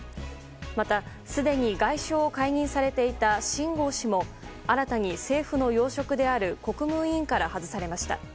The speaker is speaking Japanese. またすでに外相を解任されていたシン・ゴウ氏も新たに政府の要職である国務委員から外されました。